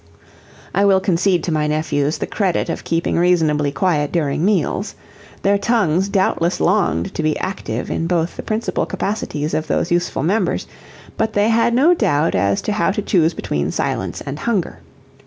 I will concede to my nephews the credit of keeping reasonably quiet during meals; their tongues doubtless longed to be active in both the principal capacities of those useful members, but they had no doubt as to how to choose between silence and hunger.